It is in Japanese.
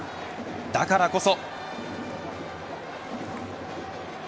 だからこそ。